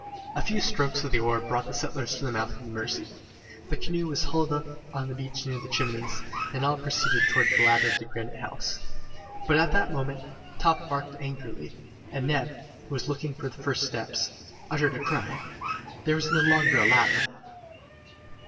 A few strokes of the oar brought the settlers to the mouth of the Mercy. The canoe was hauled up on the beach near the Chimneys, and all proceeded towards the ladder of Granite House. But at that moment, Top barked angrily, and Neb, who was looking for the first steps, uttered a cry. There was no longer a ladder!